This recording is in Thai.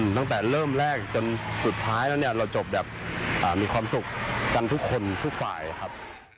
ตั้งแต่เริ่มแรกจนสุดท้ายแล้วเนี่ยเราจบแบบมีความสุขกันทุกคนทุกฝ่ายครับ